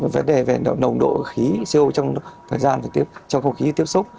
vấn đề về nồng độ khí co trong thời gian và trong không khí tiếp xúc